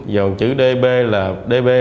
dòng chữ db